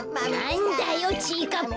なんだよちぃかっぱ。